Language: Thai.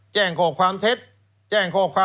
แจ้งข้อความเท็จแจ้งข้อความ